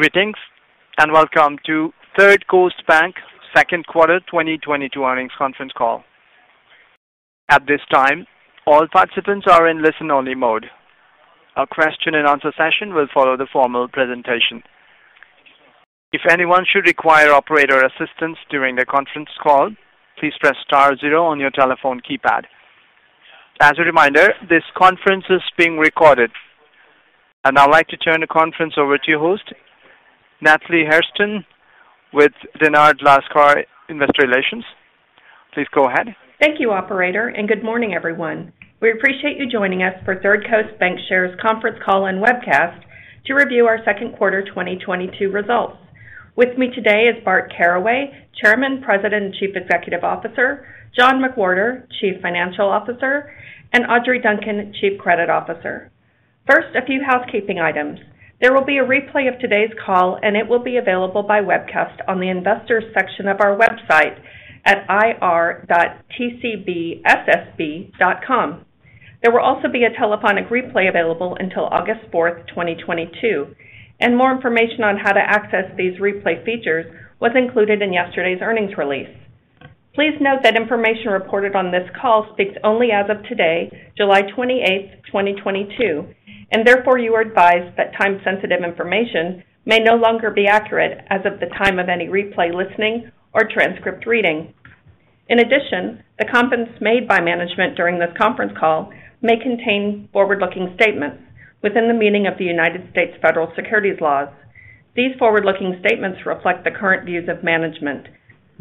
Greetings, and welcome to Third Coast Bank's second quarter 2022 earnings conference call. At this time, all participants are in listen-only mode. A question and answer session will follow the formal presentation. If anyone should require operator assistance during the conference call, please press star zero on your telephone keypad. As a reminder, this conference is being recorded. I'd now like to turn the conference over to your host, Natalie Hairston with Dennard Lascar Investor Relations. Please go ahead. Thank you, operator, and good morning, everyone. We appreciate you joining us for Third Coast Bancshares's conference call and webcast to review our second quarter 2022 results. With me today is Bart Caraway, Chairman, President, and Chief Executive Officer, John McWhorter, Chief Financial Officer, and Audrey Duncan, Chief Credit Officer. First, a few housekeeping items. There will be a replay of today's call, and it will be available by webcast on the investors section of our website at ir.thirdcoast.bank. There will also be a telephonic replay available until August 4, 2022, and more information on how to access these replay features was included in yesterday's earnings release. Please note that information reported on this call speaks only as of today, July 28, 2022, and therefore you are advised that time-sensitive information may no longer be accurate as of the time of any replay listening or transcript reading. In addition, the comments made by management during this conference call may contain forward-looking statements within the meaning of the United States federal securities laws. These forward-looking statements reflect the current views of management.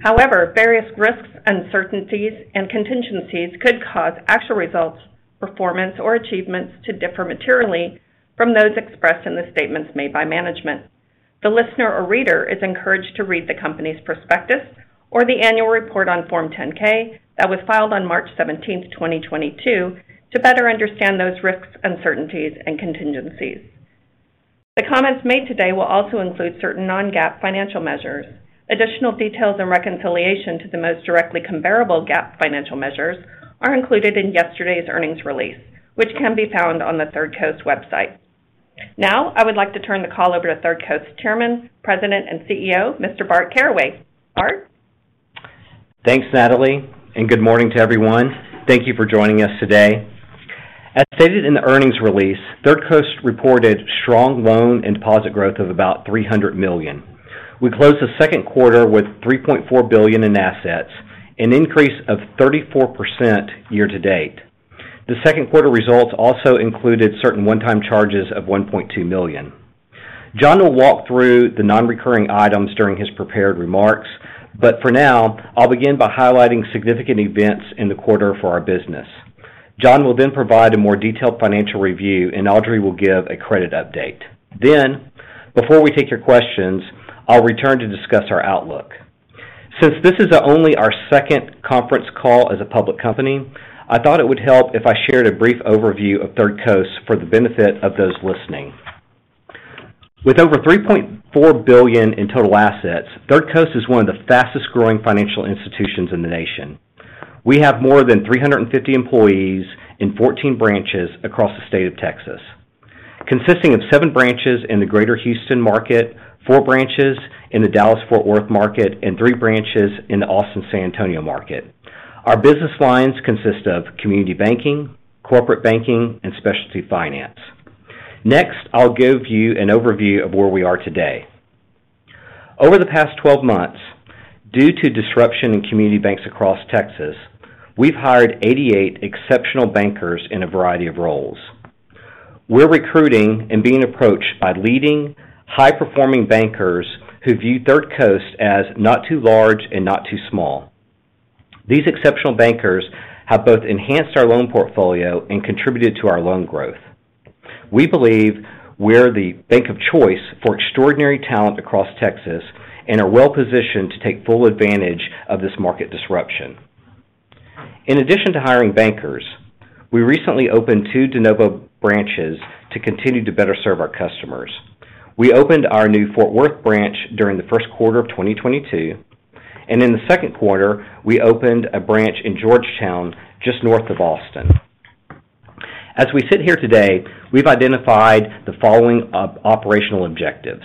However, various risks, uncertainties and contingencies could cause actual results, performance, or achievements to differ materially from those expressed in the statements made by management. The listener or reader is encouraged to read the company's prospectus or the annual report on Form 10-K that was filed on March 17, 2022 to better understand those risks, uncertainties and contingencies. The comments made today will also include certain non-GAAP financial measures. Additional details and reconciliation to the most directly comparable GAAP financial measures are included in yesterday's earnings release, which can be found on the Third Coast website. Now, I would like to turn the call over to Third Coast Chairman, President, and CEO, Mr. Bart Caraway. Bart? Thanks, Natalie, and good morning to everyone. Thank you for joining us today. As stated in the earnings release, Third Coast reported strong loan and deposit growth of about $300 million. We closed the second quarter with $3.4 billion in assets, an increase of 34% year-to-date. The second quarter results also included certain one-time charges of $1.2 million. John will walk through the non-recurring items during his prepared remarks, but for now, I'll begin by highlighting significant events in the quarter for our business. John will then provide a more detailed financial review, and Audrey will give a credit update. Then, before we take your questions, I'll return to discuss our outlook. Since this is only our second conference call as a public company, I thought it would help if I shared a brief overview of Third Coast for the benefit of those listening. With over $3.4 billion in total assets, Third Coast is one of the fastest-growing financial institutions in the nation. We have more than 350 employees in 14 branches across the state of Texas, consisting of 7 branches in the Greater Houston market, 4 branches in the Dallas-Fort Worth market, and 3 branches in the Austin-San Antonio market. Our business lines consist of community banking, corporate banking, and specialty finance. Next, I'll give you an overview of where we are today. Over the past 12 months, due to disruption in community banks across Texas, we've hired 88 exceptional bankers in a variety of roles. We're recruiting and being approached by leading high-performing bankers who view Third Coast as not too large and not too small. These exceptional bankers have both enhanced our loan portfolio and contributed to our loan growth. We believe we're the bank of choice for extraordinary talent across Texas and are well-positioned to take full advantage of this market disruption. In addition to hiring bankers, we recently opened two de novo branches to continue to better serve our customers. We opened our new Fort Worth branch during the first quarter of 2022, and in the second quarter, we opened a branch in Georgetown, just north of Austin. As we sit here today, we've identified the following operational objectives.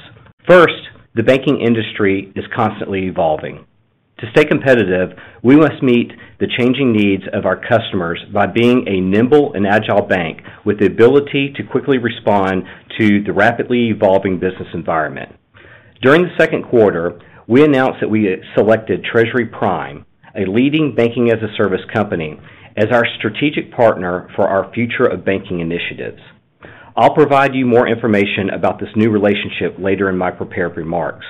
First, the banking industry is constantly evolving. To stay competitive, we must meet the changing needs of our customers by being a nimble and agile bank with the ability to quickly respond to the rapidly evolving business environment. During the second quarter, we announced that we had selected Treasury Prime, a leading banking-as-a-service company, as our strategic partner for our future of banking initiatives. I'll provide you more information about this new relationship later in my prepared remarks.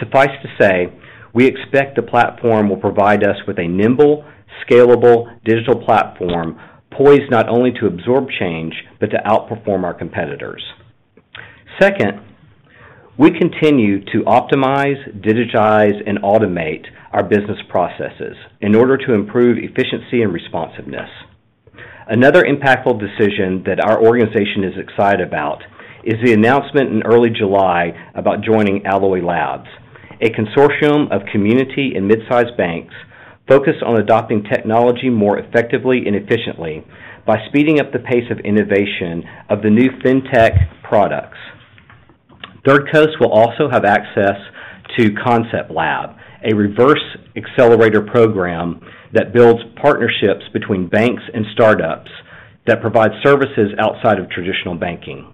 Suffice to say, we expect the platform will provide us with a nimble, scalable digital platform poised not only to absorb change, but to outperform our competitors. Second, we continue to optimize, digitize, and automate our business processes in order to improve efficiency and responsiveness. Another impactful decision that our organization is excited about is the announcement in early July about joining Alloy Labs, a consortium of community and mid-sized banks. Focus on adopting technology more effectively and efficiently by speeding up the pace of innovation of the new FinTech products. Third Coast will also have access to Concept Lab, a reverse accelerator program that builds partnerships between banks and startups that provide services outside of traditional banking.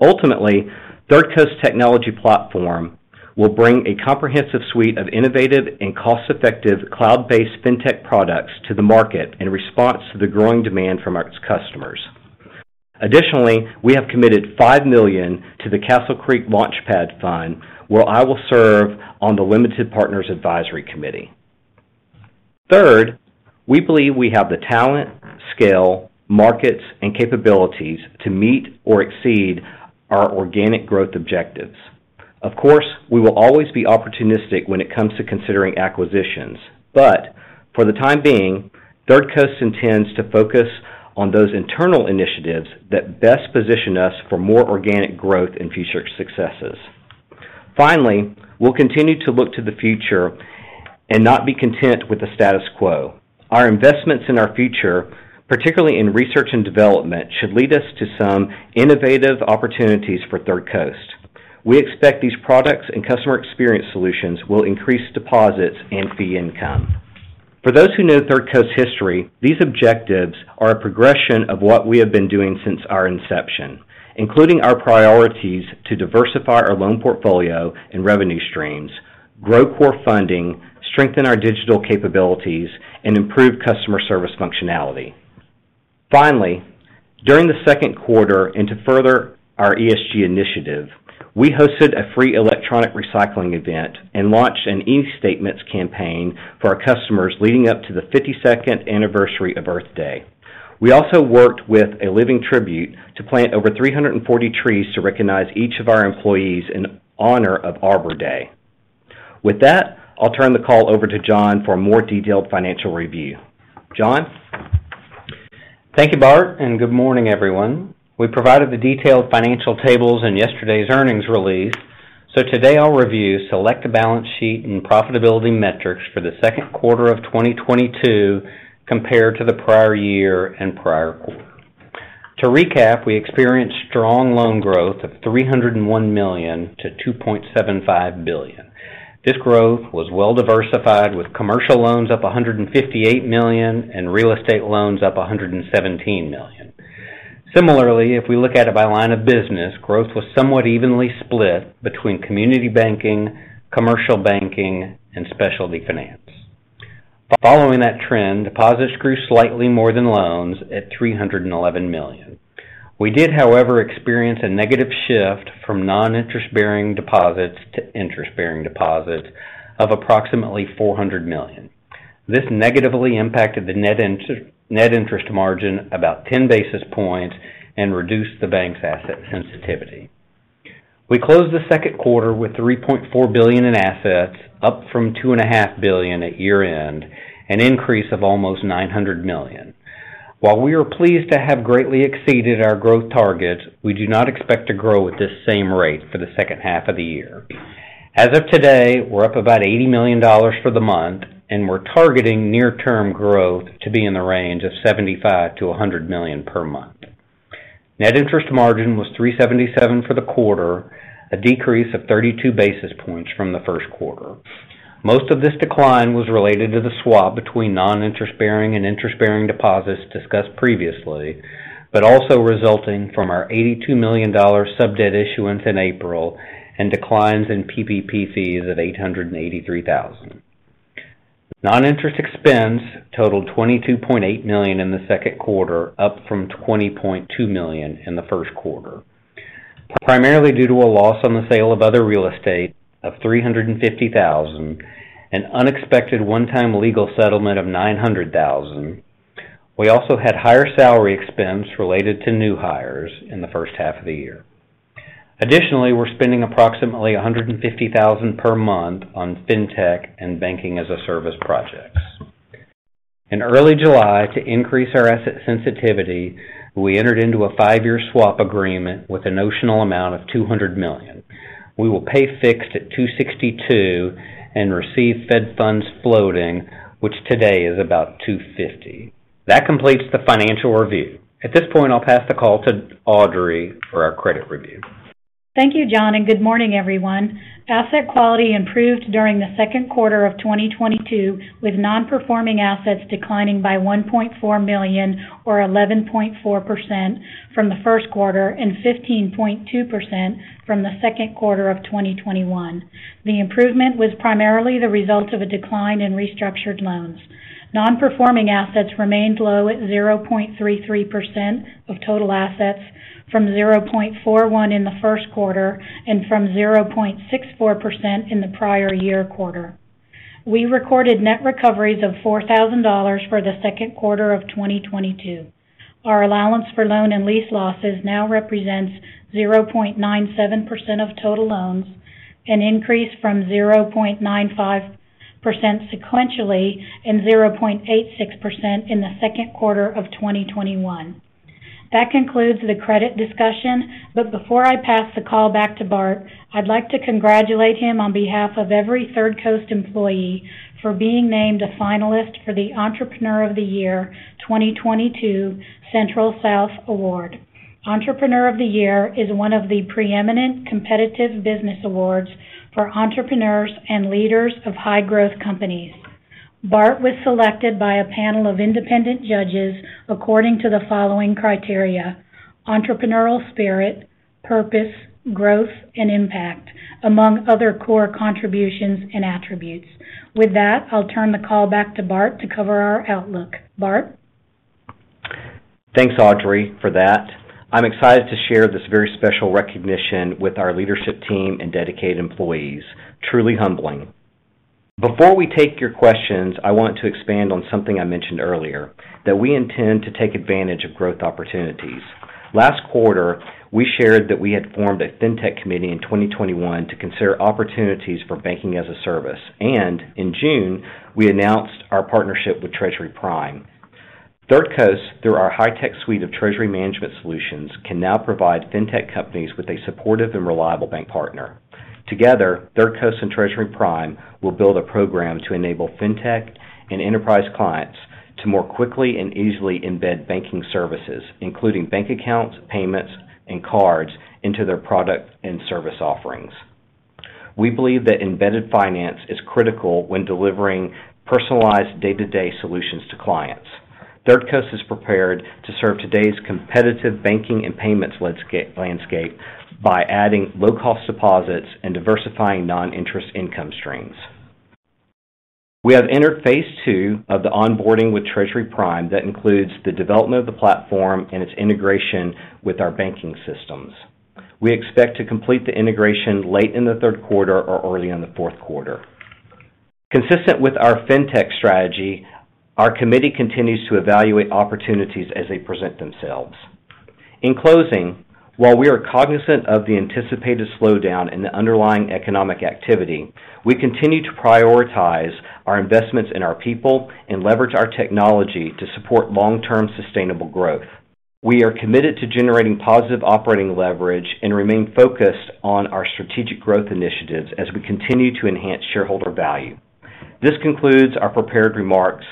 Ultimately, Third Coast technology platform will bring a comprehensive suite of innovative and cost-effective cloud-based FinTech products to the market in response to the growing demand from its customers. Additionally, we have committed $5 million to the Castle Creek Launchpad Fund, where I will serve on the Limited Partner Advisory Committee. Third, we believe we have the talent, scale, markets, and capabilities to meet or exceed our organic growth objectives. Of course, we will always be opportunistic when it comes to considering acquisitions. For the time being, Third Coast intends to focus on those internal initiatives that best position us for more organic growth and future successes. Finally, we'll continue to look to the future and not be content with the status quo. Our investments in our future, particularly in research and development, should lead us to some innovative opportunities for Third Coast. We expect these products and customer experience solutions will increase deposits and fee income. For those who know Third Coast history, these objectives are a progression of what we have been doing since our inception, including our priorities to diversify our loan portfolio and revenue streams, grow core funding, strengthen our digital capabilities, and improve customer service functionality. Finally, during the second quarter and to further our ESG initiative, we hosted a free electronic recycling event and launched an e-statements campaign for our customers leading up to the 52nd anniversary of Earth Day. We also worked with a living tribute to plant over 340 trees to recognize each of our employees in honor of Arbor Day. With that, I'll turn the call over to John for a more detailed financial review. John? Thank you, Bart, and good morning, everyone. We provided the detailed financial tables in yesterday's earnings release, so today I'll review select balance sheet and profitability metrics for the second quarter of 2022 compared to the prior year and prior quarter. To recap, we experienced strong loan growth of $301 million to $2.75 billion. This growth was well diversified with commercial loans up $158 million and real estate loans up $117 million. Similarly, if we look at it by line of business, growth was somewhat evenly split between community banking, commercial banking, and specialty finance. Following that trend, deposits grew slightly more than loans at $311 million. We did, however, experience a negative shift from non-interest-bearing deposits to interest-bearing deposits of approximately $400 million. This negatively impacted the net interest margin about 10 basis points and reduced the bank's asset sensitivity. We closed the second quarter with $3.4 billion in assets, up from $2.5 billion at year-end, an increase of almost $900 million. While we are pleased to have greatly exceeded our growth targets, we do not expect to grow at this same rate for the second half of the year. As of today, we're up about $80 million for the month, and we're targeting near-term growth to be in the range of $75 million-$100 million per month. Net interest margin was 3.77% for the quarter, a decrease of 32 basis points from the first quarter. Most of this decline was related to the swap between non-interest-bearing and interest-bearing deposits discussed previously, but also resulting from our $82 million subordinated debt issuance in April and declines in PPP fees at $883,000. Noninterest expense totaled $22.8 million in the second quarter, up from $20.2 million in the first quarter. Primarily due to a loss on the sale of other real estate of $350,000, an unexpected one-time legal settlement of $900,000. We also had higher salary expense related to new hires in the first half of the year. Additionally, we're spending approximately $150,000 per month on FinTech and Banking-as-a-Service projects. In early July, to increase our asset sensitivity, we entered into a five-year swap agreement with a notional amount of $200 million. We will pay fixed at 2.62 and receive Fed funds floating, which today is about 2.50. That completes the financial review. At this point, I'll pass the call to Audrey for our credit review. Thank you, John, and good morning, everyone. Asset quality improved during the second quarter of 2022, with non-performing assets declining by $1.4 million or 11.4% from the first quarter and 15.2% from the second quarter of 2021. The improvement was primarily the result of a decline in restructured loans. Non-performing assets remained low at 0.33% of total assets from 0.41% in the first quarter and from 0.64% in the prior year quarter. We recorded net recoveries of $4,000 for the second quarter of 2022. Our allowance for loan and lease losses now represents 0.97% of total loans, an increase from 0.95% sequentially and 0.86% in the second quarter of 2021. That concludes the credit discussion. Before I pass the call back to Bart, I'd like to congratulate him on behalf of every Third Coast employee for being named a finalist for the Entrepreneur Of The Year 2022 Central South Award. Entrepreneur Of The Year is one of the preeminent competitive business awards for entrepreneurs and leaders of high growth companies. Bart was selected by a panel of independent judges according to the following criteria. Entrepreneurial spirit, purpose, growth, and impact, among other core contributions and attributes. With that, I'll turn the call back to Bart to cover our outlook. Bart? Thanks, Audrey, for that. I'm excited to share this very special recognition with our leadership team and dedicated employees. Truly humbling. Before we take your questions, I want to expand on something I mentioned earlier, that we intend to take advantage of growth opportunities. Last quarter, we shared that we had formed a FinTech committee in 2021 to consider opportunities for banking as a service. In June, we announced our partnership with Treasury Prime. Third Coast, through our high-tech suite of treasury management solutions, can now provide FinTech companies with a supportive and reliable bank partner. Together, Third Coast and Treasury Prime will build a program to enable FinTech and enterprise clients to more quickly and easily embed banking services, including bank accounts, payments, and cards into their product and service offerings. We believe that embedded finance is critical when delivering personalized day-to-day solutions to clients. Third Coast is prepared to serve today's competitive banking and payments landscape by adding low-cost deposits and diversifying non-interest income streams. We have entered phase two of the onboarding with Treasury Prime. That includes the development of the platform and its integration with our banking systems. We expect to complete the integration late in the third quarter or early in the fourth quarter. Consistent with our FinTech strategy, our committee continues to evaluate opportunities as they present themselves. In closing, while we are cognizant of the anticipated slowdown in the underlying economic activity, we continue to prioritize our investments in our people and leverage our technology to support long-term sustainable growth. We are committed to generating positive operating leverage and remain focused on our strategic growth initiatives as we continue to enhance shareholder value. This concludes our prepared remarks.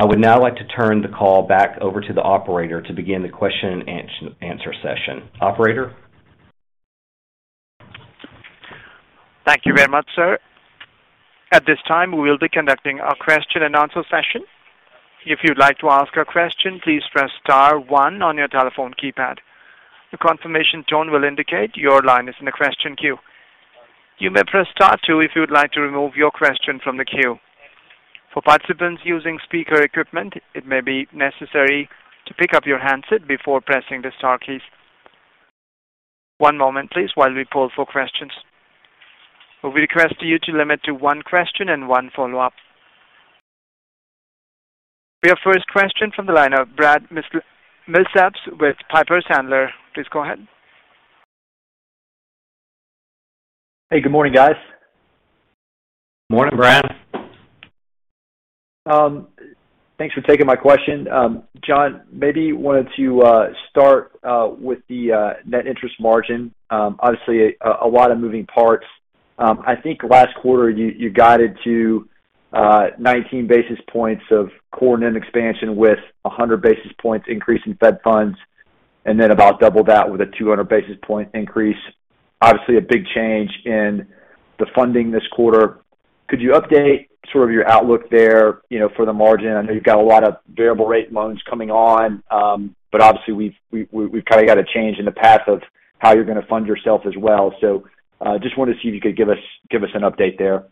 I would now like to turn the call back over to the operator to begin the question and answer session. Operator? Thank you very much, sir. At this time, we will be conducting our question and answer session. If you'd like to ask a question, please press star one on your telephone keypad. The confirmation tone will indicate your line is in the question queue. You may press star two if you would like to remove your question from the queue. For participants using speaker equipment, it may be necessary to pick up your handset before pressing the star keys. One moment, please, while we poll for questions. We request you to limit to one question and one follow-up. Your first question from the line of Brad Milsaps with Piper Sandler. Please go ahead. Hey, good morning, guys. Morning, Brad. Thanks for taking my question. John, maybe wanted to start with the net interest margin. Obviously a lot of moving parts. I think last quarter you guided to 19 basis points of core net expansion with a 100 basis points increase in Fed funds, and then about double that with a 200 basis point increase. Obviously, a big change in the funding this quarter. Could you update sort of your outlook there, you know, for the margin? I know you've got a lot of variable rate loans coming on, but obviously we've kind of got a change in the path of how you're going to fund yourself as well. Just wanted to see if you could give us an update there.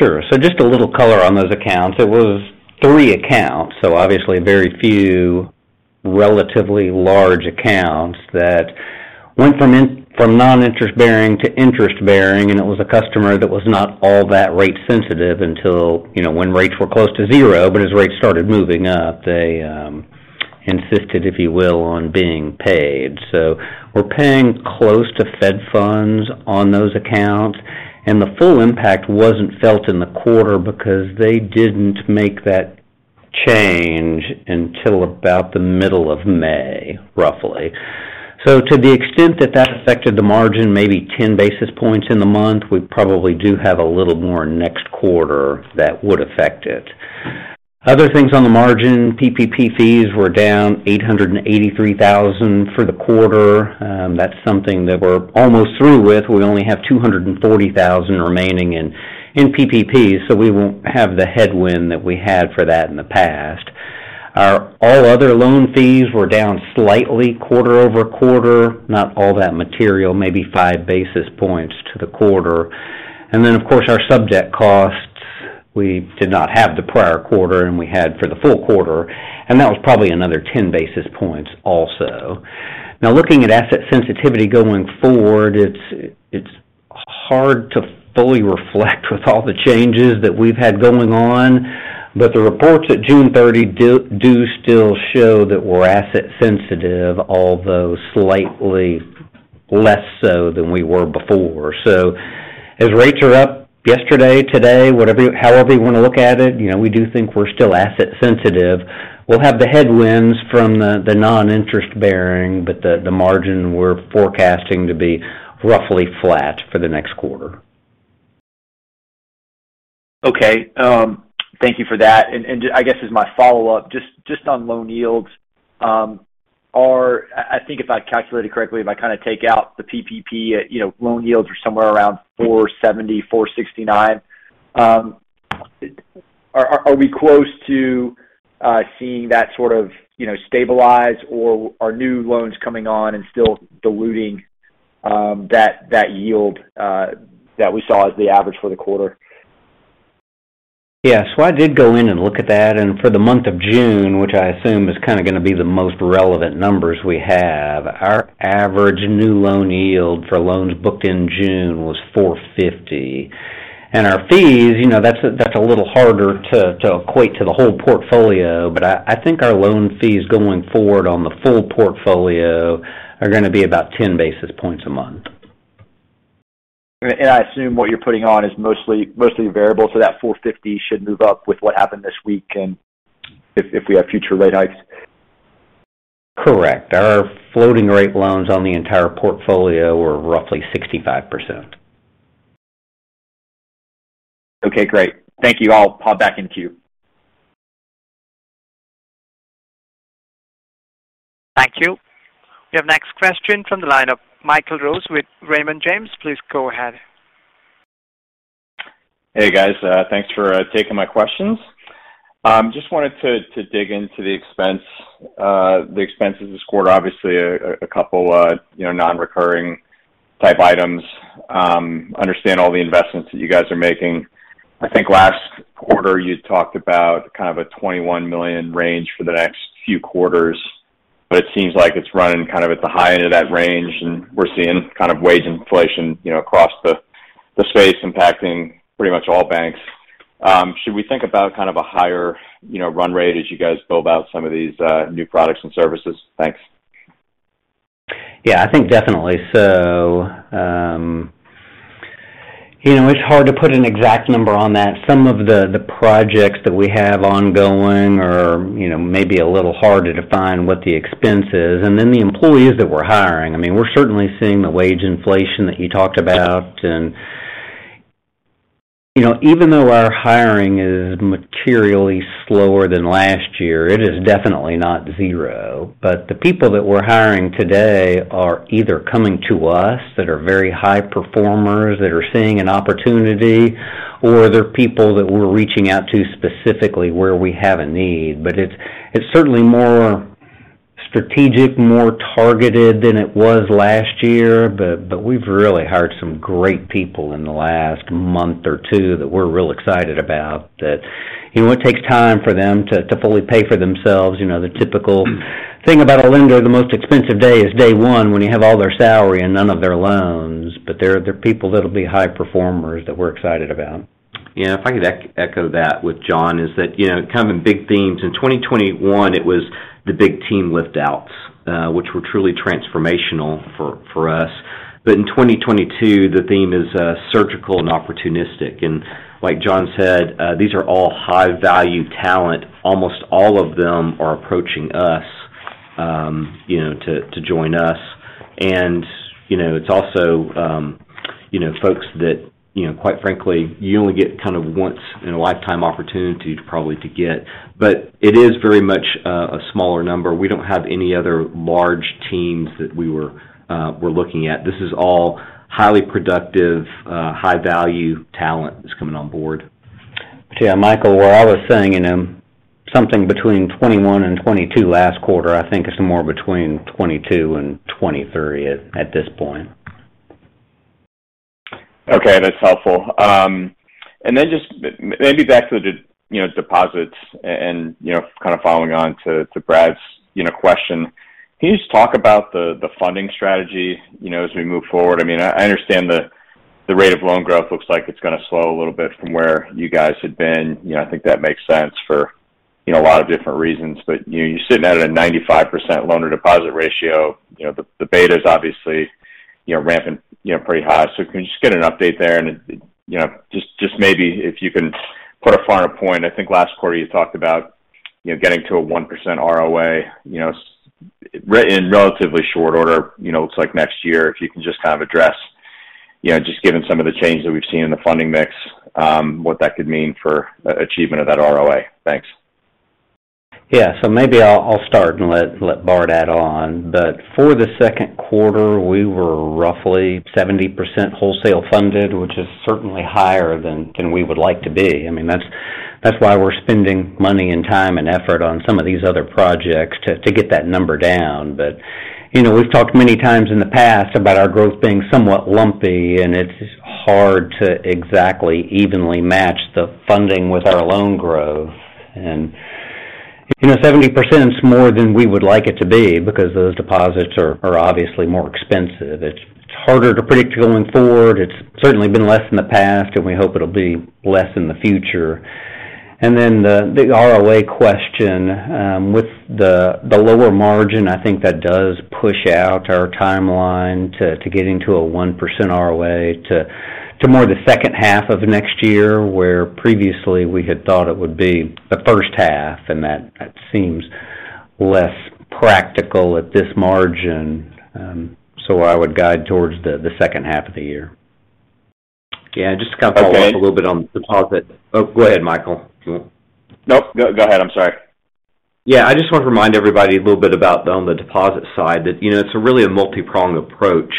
Just a little color on those accounts. It was three accounts, so obviously very few relatively large accounts that went from non-interest bearing to interest bearing, and it was a customer that was not all that rate sensitive until, you know, when rates were close to zero. As rates started moving up, they insisted, if you will, on being paid. We're paying close to Fed funds on those accounts. The full impact wasn't felt in the quarter because they didn't make that change until about the middle of May, roughly. To the extent that that affected the margin, maybe 10 basis points in the month, we probably do have a little more next quarter that would affect it. Other things on the margin, PPP fees were down $883,000 for the quarter. That's something that we're almost through with. We only have $240,000 remaining in PPP, so we won't have the headwind that we had for that in the past. Our all other loan fees were down slightly quarter-over-quarter. Not all that material, maybe 5 basis points to the quarter. Then of course our subordinated debt costs, we did not have the prior quarter, and we had for the full quarter, and that was probably another 10 basis points also. Now looking at asset sensitivity going forward, it's hard to fully reflect with all the changes that we've had going on, but the reports at June 30 do still show that we're asset sensitive, although slightly. Less so than we were before. As rates are up yesterday, today, whatever, however you wanna look at it, you know, we do think we're still asset sensitive. We'll have the headwinds from the non-interest-bearing, but the margin we're forecasting to be roughly flat for the next quarter. Okay, thank you for that. I guess as my follow-up, just on loan yields, I think if I calculated correctly, if I kinda take out the PPP, you know, loan yields are somewhere around 4.70%, 4.69%. Are we close to seeing that sort of, you know, stabilize or are new loans coming on and still diluting that yield that we saw as the average for the quarter? Yes. I did go in and look at that. For the month of June, which I assume is kinda gonna be the most relevant numbers we have, our average new loan yield for loans booked in June was 4.50. Our fees, you know, that's a little harder to equate to the whole portfolio, but I think our loan fees going forward on the full portfolio are gonna be about 10 basis points a month. I assume what you're putting on is mostly variable, so that 4.50 should move up with what happened this week and if we have future rate hikes. Correct. Our floating rate loans on the entire portfolio were roughly 65%. Okay, great. Thank you. I'll pop back in queue. Thank you. Your next question from the line of Michael Rose with Raymond James. Please go ahead. Hey, guys. Thanks for taking my questions. Just wanted to dig into the expenses this quarter, obviously a couple, you know, non-recurring type items. Understand all the investments that you guys are making. I think last quarter you talked about kind of a $21 million range for the next few quarters, but it seems like it's running kind of at the high end of that range, and we're seeing kind of wage inflation, you know, across the space impacting pretty much all banks. Should we think about kind of a higher, you know, run rate as you guys build out some of these new products and services? Thanks. Yeah, I think definitely. You know, it's hard to put an exact number on that. Some of the projects that we have ongoing are, you know, maybe a little harder to find what the expense is. Then the employees that we're hiring. I mean, we're certainly seeing the wage inflation that you talked about. You know, even though our hiring is materially slower than last year, it is definitely not zero. The people that we're hiring today are either coming to us that are very high performers that are seeing an opportunity, or they're people that we're reaching out to specifically where we have a need. It's certainly more strategic, more targeted than it was last year, but we've really hired some great people in the last month or two that we're real excited about that. You know, it takes time for them to fully pay for themselves. You know, the typical thing about a lender, the most expensive day is day one when you have all their salary and none of their loans. They're people that'll be high performers that we're excited about. Yeah. If I could echo that with John, that, you know, kind of in big themes, in 2021, it was the big team lift outs, which were truly transformational for us. In 2022, the theme is surgical and opportunistic. Like John said, these are all high value talent. Almost all of them are approaching us, you know, to join us. You know, it's also, you know, folks that, you know, quite frankly, you only get kind of once in a lifetime opportunity probably to get. It is very much a smaller number. We don't have any other large teams that we're looking at. This is all highly productive high value talent that's coming on board. Yeah, Michael, where I was saying, you know, something between 21% and 22% last quarter, I think it's more between 22% and 23% at this point. Okay, that's helpful. Maybe back to the deposits and kind of following on to Brad's question. Can you just talk about the funding strategy as we move forward? I mean, I understand the rate of loan growth looks like it's gonna slow a little bit from where you guys had been. You know, I think that makes sense for a lot of different reasons. You're sitting at a 95% loan-to-deposit ratio. You know, the beta's obviously ramping pretty high. Can you just get an update there? Just maybe if you can put a finer point. I think last quarter you talked about, you know, getting to a 1% ROA, you know, in relatively short order, you know, looks like next year. If you can just kind of address, you know, just given some of the changes that we've seen in the funding mix, what that could mean for achievement of that ROA. Thanks. Yeah. Maybe I'll start and let Bart add on. For the second quarter, we were roughly 70% wholesale funded, which is certainly higher than we would like to be. I mean, that's why we're spending money and time and effort on some of these other projects to get that number down. You know, we've talked many times in the past about our growth being somewhat lumpy, and it's hard to exactly evenly match the funding with our loan growth. You know, 70%'s more than we would like it to be because those deposits are obviously more expensive. It's harder to predict going forward. It's certainly been less in the past, and we hope it'll be less in the future. The ROA question, with the lower margin, I think that does push out our timeline to getting to a 1% ROA towards the second half of next year, where previously we had thought it would be the first half, and that seems less practical at this margin. I would guide towards the second half of the year. Yeah. Just to kind of follow up. Okay. Oh, go ahead, Michael. Nope. Go ahead. I'm sorry. Yeah. I just want to remind everybody a little bit about on the deposit side that, you know, it's really a multi-pronged approach.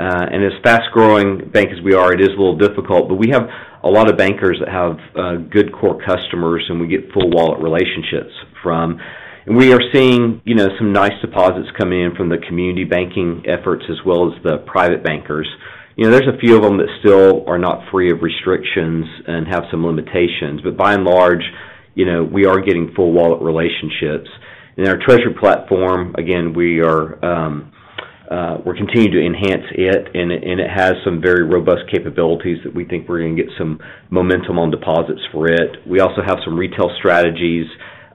As fast-growing bank as we are, it is a little difficult, but we have a lot of bankers that have good core customers and we get full wallet relationships from. We are seeing, you know, some nice deposits coming in from the community banking efforts as well as the private bankers. You know, there's a few of them that still are not free of restrictions and have some limitations. By and large, you know, we are getting full wallet relationships. In our treasury platform, again, we're continuing to enhance it and it has some very robust capabilities that we think we're going to get some momentum on deposits for it. We also have some retail strategies.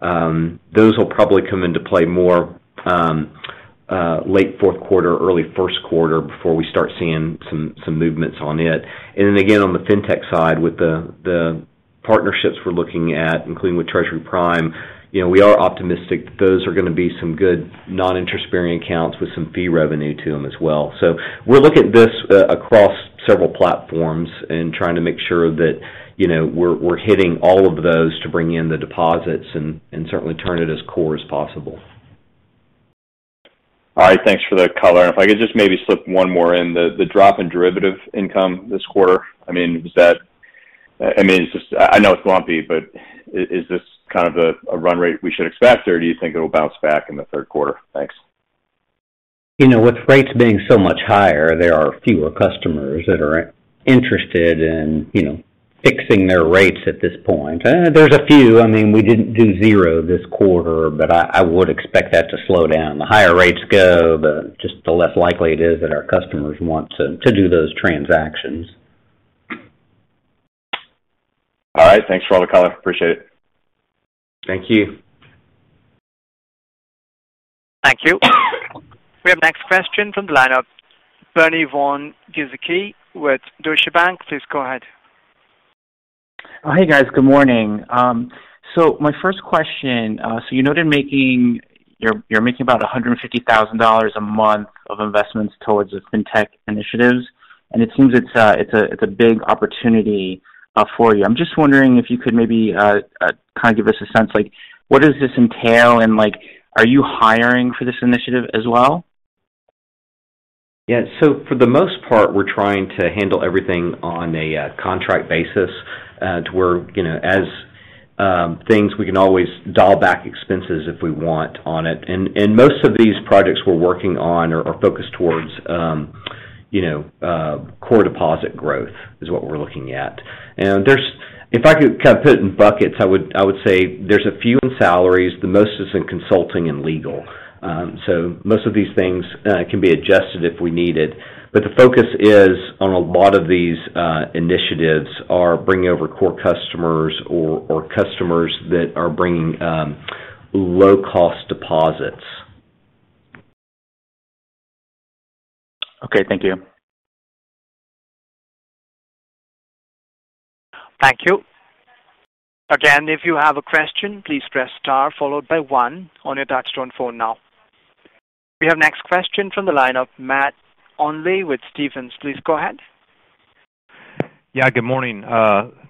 Those will probably come into play more, late fourth quarter, early first quarter before we start seeing some movements on it. On the FinTech side, with the partnerships we're looking at, including with Treasury Prime, you know, we are optimistic that those are gonna be some good non-interest-bearing accounts with some fee revenue to them as well. We're looking at this across several platforms and trying to make sure that, you know, we're hitting all of those to bring in the deposits and certainly turn it as core as possible. All right. Thanks for the color. If I could just maybe slip one more in. The drop in derivative income this quarter, I mean, it's just I know it's lumpy, but is this kind of a run rate we should expect, or do you think it'll bounce back in the third quarter? Thanks. You know, with rates being so much higher, there are fewer customers that are interested in, you know, fixing their rates at this point. There's a few. I mean, we didn't do zero this quarter, but I would expect that to slow down. The higher rates go, the less likely it is that our customers want to do those transactions. All right. Thanks for all the color. Appreciate it. Thank you. Thank you. We have next question from the lineup, Bernard Von Gizycki with Deutsche Bank. Please go ahead. Hey, guys. Good morning. My first question. You noted you're making about $150,000 a month of investments towards the FinTech initiatives, and it seems it's a big opportunity for you. I'm just wondering if you could maybe kind of give us a sense like what does this entail? Like, are you hiring for this initiative as well? Yeah. For the most part, we're trying to handle everything on a contract basis, to where, you know, as things we can always dial back expenses if we want on it. Most of these projects we're working on are focused towards, you know, core deposit growth is what we're looking at. There's. If I could kind of put it in buckets, I would say there's a few in salaries. The most is in consulting and legal. Most of these things can be adjusted if we need it. The focus is on a lot of these initiatives are bringing over core customers or customers that are bringing low cost deposits. Okay. Thank you. Thank you. Again, if you have a question, please press star followed by one on your touchtone phone now. We have next question from the line of Matt Olney with Stephens. Please go ahead. Yeah, good morning.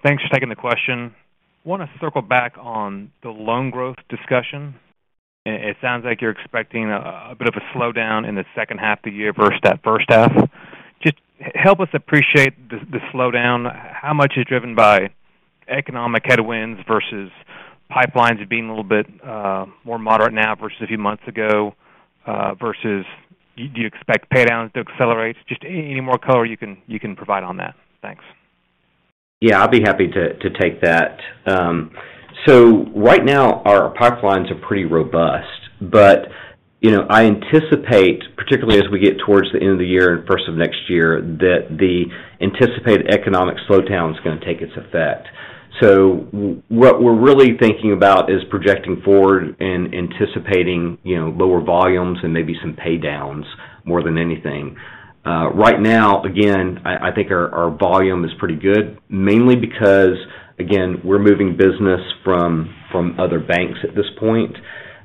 Thanks for taking the question. Wanna circle back on the loan growth discussion. It sounds like you're expecting a bit of a slowdown in the second half of the year versus that first half. Just help us appreciate the slowdown. How much is driven by economic headwinds versus pipelines being a little bit more moderate now versus a few months ago versus do you expect pay downs to accelerate? Just any more color you can provide on that. Thanks. Yeah, I'll be happy to take that. Right now our pipelines are pretty robust. You know, I anticipate, particularly as we get towards the end of the year and first of next year, that the anticipated economic slowdown is gonna take its effect. What we're really thinking about is projecting forward and anticipating, you know, lower volumes and maybe some pay downs more than anything. Right now, again, I think our volume is pretty good, mainly because, again, we're moving business from other banks at this point.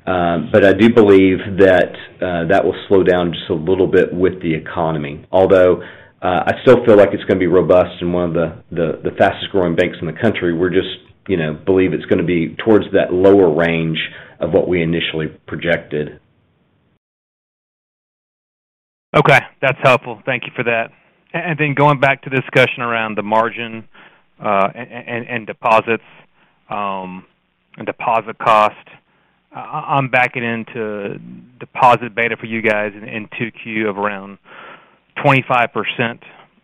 I do believe that will slow down just a little bit with the economy. Although, I still feel like it's gonna be robust and one of the fastest growing banks in the country. We're just, you know, believe it's gonna be towards that lower range of what we initially projected. Okay. That's helpful. Thank you for that. Going back to the discussion around the margin, and deposits, and deposit cost. I'm backing into deposit beta for you guys in 2Q of around 25%.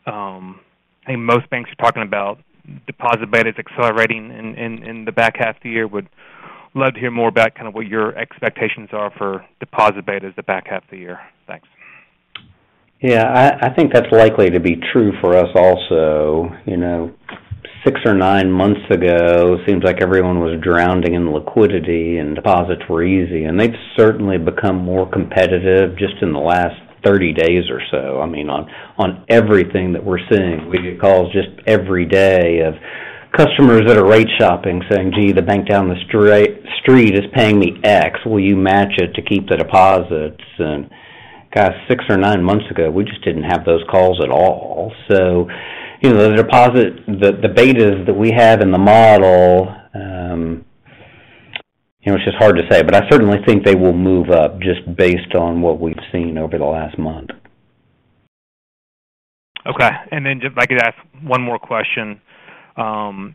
I think most banks are talking about deposit betas accelerating in the back half of the year. Would love to hear more about kind of what your expectations are for deposit betas the back half of the year. Thanks. I think that's likely to be true for us also. You know, six or nine months ago, seems like everyone was drowning in liquidity and deposits were easy, and they've certainly become more competitive just in the last 30 days or so. I mean, on everything that we're seeing, we get calls just every day of customers that are rate shopping saying, "Gee, the bank down the street is paying me X. Will you match it to keep the deposits?" God, six or nine months ago, we just didn't have those calls at all. You know, the deposit betas that we have in the model, you know, it's just hard to say. But I certainly think they will move up just based on what we've seen over the last month. Okay. If I could ask one more question.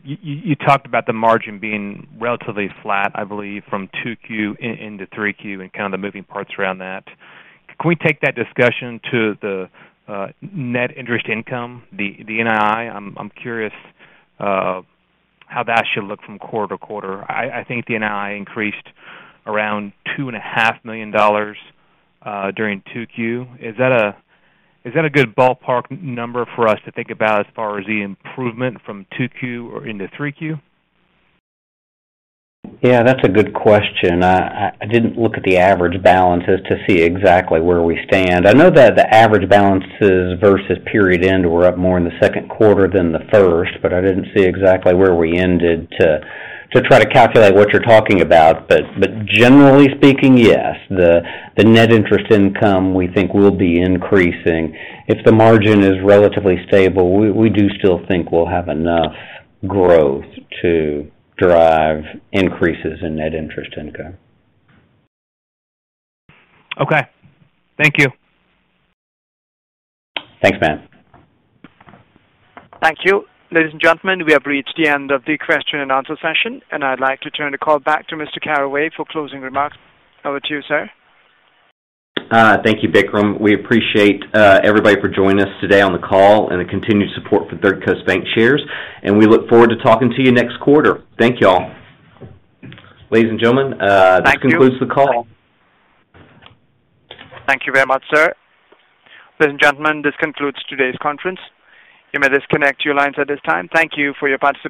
You talked about the margin being relatively flat, I believe, from 2Q into 3Q and kind of the moving parts around that. Can we take that discussion to the net interest income, the NII? I'm curious how that should look from quarter to quarter. I think the NII increased around $2.5 million during 2Q. Is that a good ballpark number for us to think about as far as the improvement from 2Q into 3Q? Yeah, that's a good question. I didn't look at the average balances to see exactly where we stand. I know that the average balances versus period end were up more in the second quarter than the first, but I didn't see exactly where we ended to try to calculate what you're talking about. Generally speaking, yes, the net interest income we think will be increasing. If the margin is relatively stable, we do still think we'll have enough growth to drive increases in net interest income. Okay. Thank you. Thanks, Matt. Thank you. Ladies and gentlemen, we have reached the end of the question and answer session, and I'd like to turn the call back to Mr. Caraway for closing remarks. Over to you, sir. Thank you, Bikram. We appreciate everybody for joining us today on the call and the continued support for Third Coast Bancshares, and we look forward to talking to you next quarter. Thank y'all. Ladies and gentlemen. Thank you. This concludes the call. Thank you very much, sir. Ladies and gentlemen, this concludes today's conference. You may disconnect your lines at this time. Thank you for your participation.